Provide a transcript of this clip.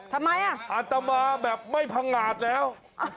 ทำไมอ่ะอาตมาแบบไม่พังงาดแล้ว